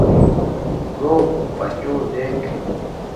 روپ پچوں دیکھ